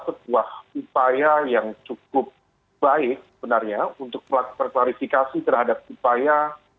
sebuah upaya yang cukup baik sebenarnya untuk melakukan klarifikasi terhadap upaya